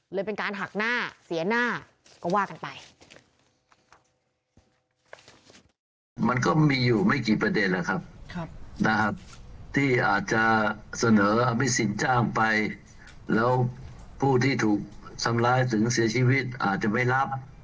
และผู้ที่ถูกสำหร่ายถึงเสียชีวิตอาจจะไม่รับ